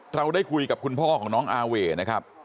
เราได้คุยกับคุณพ่อของน้องอาเว่นะครับ